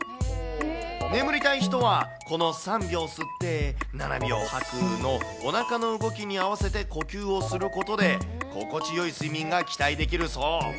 眠りたい人は、この３秒吸って７秒吐くのおなかの動きに合わせて呼吸をすることで、心地よい睡眠が期待できるそう。